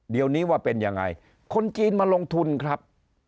เดี๋ยวนี้ว่าเป็นยังไงคนจีนมาลงทุนครับ